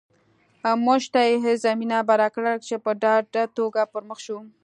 موږ ته یې زمینه برابره کړې چې په ډاډه توګه پر مخ لاړ شو